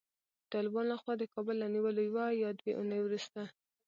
د طالبانو له خوا د کابل له نیولو یوه یا دوې اوونۍ وروسته